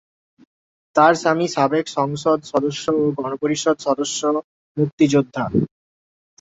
তার স্বামী সাবেক সংসদ সদস্য ও গণপরিষদ সদস্য মুক্তিযোদ্ধা।